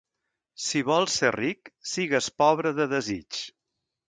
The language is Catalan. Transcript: Si vols ser ric, sigues pobre de desig.